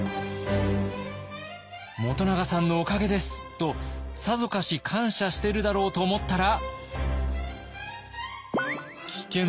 「元長さんのおかげです」とさぞかし感謝してるだろうと思ったら。